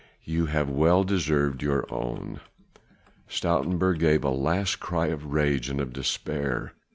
You have well deserved your own." Stoutenburg gave a last cry of rage and of despair.